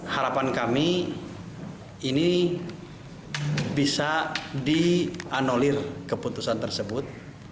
harapan kami ini bisa dianolir keputusan tersebut